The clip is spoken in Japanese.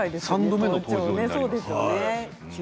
３度目の登場ですね。